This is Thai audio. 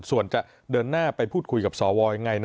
ส่วนจะเดินหน้าไปพูดคุยกับสวยังไง